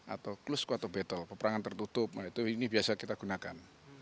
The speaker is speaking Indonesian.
atau close quarter battle peperangan tertutup nah itu ini biasa kita gunakan